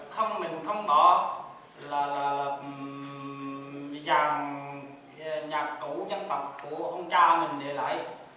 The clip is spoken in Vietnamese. không mình không bỏ là dàn nhạc cụ dân tập của ông cha mình để lại